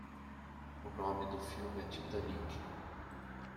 O nome do filme é Titanic.